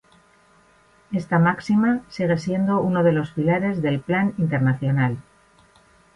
Esta máxima sigue siendo uno de los pilares de Plan International.